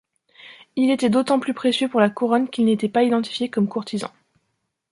Il était d'autant plus précieux pour la Couronne qu'il n'était pas identifié comme courtisan.